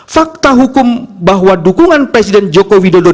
fakta hukum bahwa dukungan presiden joko widodo